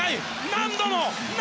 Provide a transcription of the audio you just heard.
何度も！